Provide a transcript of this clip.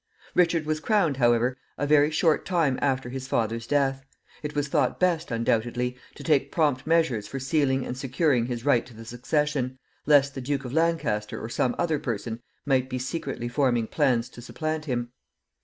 Richard was crowned, however, a very short time after his father's death. It was thought best, undoubtedly, to take prompt measures for sealing and securing his right to the succession, lest the Duke of Lancaster or some other person might be secretly forming plans to supplant him.